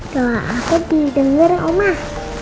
doa aku didengar omah